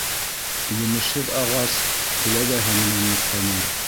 Емешһеҙ ағас күләгәһе менән маҡтаныр.